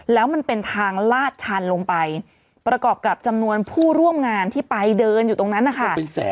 แล้วมันเป็นทางลาดชันลงไปประกอบกับจำนวนผู้ร่วมงานที่ไปเดินอยู่ตรงนั้นนะคะ